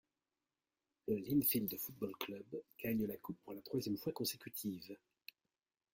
Le Linfield Football Club gagne la coupe pour la troisième fois consécutive.